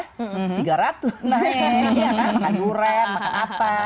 makan gurem makan apa